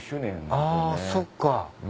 あそっか。